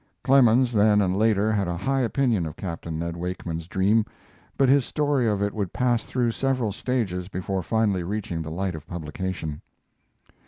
Clemens, then and later, had a high opinion of Capt. Ned Wakeman's dream, but his story of it would pass through several stages before finally reaching the light of publication.